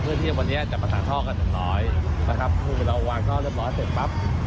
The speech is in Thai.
เพื่อที่วันนี้จะประสานท่อกันอย่างน้อยนะครับคือเราวางท่อเรียบร้อยเสร็จปั๊บ